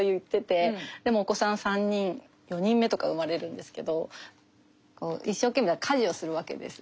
でもお子さん３人４人目とか生まれるんですけど一生懸命家事をするわけですよ。